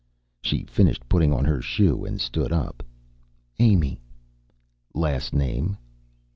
She finished putting on her shoe and stood up. "Amy." "Last name?"